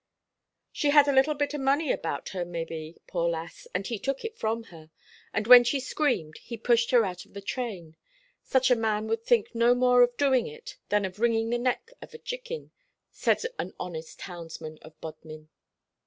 "She had a little bit o'money about her, maybe, poor lass, and he took it from her, and when she screamed he pushed her out of the train. Such a man would think no more of doing it than of wringing the neck of a chicken," said an honest, townsman of Bodmin.